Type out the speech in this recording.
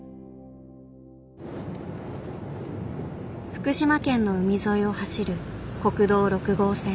福島県の海沿いを走る国道６号線。